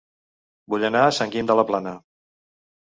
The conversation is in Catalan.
Vull anar a Sant Guim de la Plana